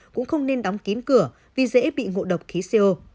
cũng không nên đóng kín cửa vì dễ bị ngộ độc khí co